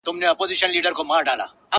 چي ورځ کي يو ساعت ور نه سمه جدي سي وايي,